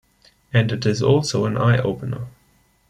And it is also an eye opener.